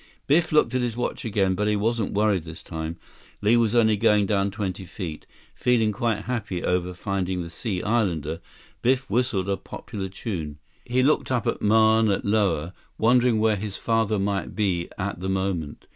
Biff looked at his watch again, but he wasn't worried this time. Li was only going down twenty feet. Feeling quite happy over finding the Sea Islander, Biff whistled a popular tune. He looked up at Mauna Loa, wondering where his father might be at the moment.